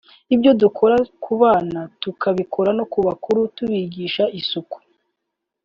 Ibyo dukora ku bana tubikora no ku babyeyi tukabigisha isuku